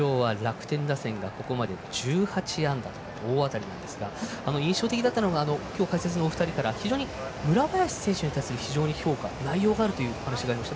今日は、楽天打線がここまで１８安打と大当たりなんですが印象的だったのが今日、解説のお二人から非常に村林選手に対する評価内容があるという話がありました。